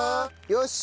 よし！